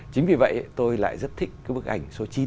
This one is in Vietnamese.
chính vì vậy tôi lại rất thích cái bức ảnh số chín